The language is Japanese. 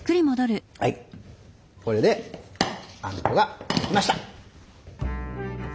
はいこれであんこができました。